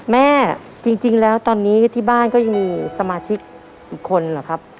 แม่จริงแล้วตอนนี้ที่บ้านก็ยังมีสมาชิกอีกคนเหรอครับ